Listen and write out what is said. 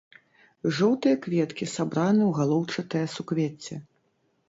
Жоўтыя кветкі сабраны ў галоўчатае суквецце.